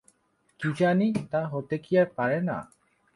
কি জানি, তা হতে কি আর পারে না?